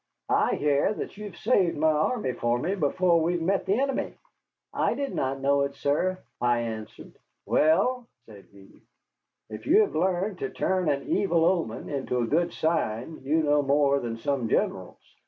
"I hear that you have saved my army for me before we have met the enemy." "I did not know it, sir," I answered. "Well," said he, "if you have learned to turn an evil omen into a good sign, you know more than some generals.